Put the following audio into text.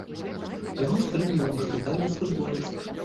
Яго стрымліваў шпітальны службовец.